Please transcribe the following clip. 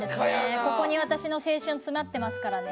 ここに私の青春詰まってますからね。